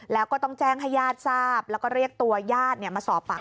แล้วก็ต้องแจ้งให้ญาติทราบแล้วก็เรียกตัวญาติมาสอบปากคำ